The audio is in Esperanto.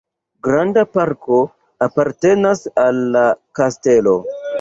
Granda parko apartenas al la kastelo.